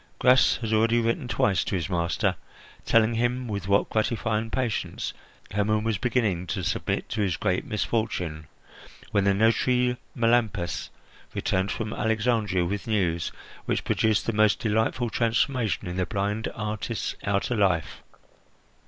Gras had already written twice to his master, telling him with what gratifying patience Hermon was beginning to submit to his great misfortune, when the notary Melampus returned from Alexandria with news which produced the most delightful transformation in the blind artist's outer life.